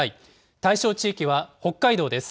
対象地域は北海道です。